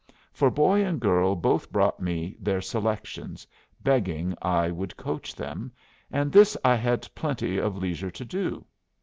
For boy and girl both brought me their selections, begging I would coach them, and this I had plenty of leisure to do.